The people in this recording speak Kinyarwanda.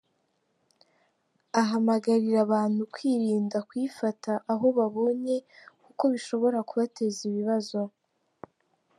Ahamagarira abantu kwirinda kuyifata aho babonye kuko bishobora kubateza ibibazo.